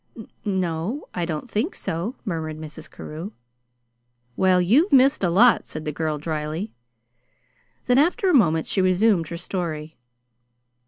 "N no, I don't think so," murmured Mrs. Carew. "Well, you've missed a lot," said the girl, dryly. Then, after a moment, she resumed her story.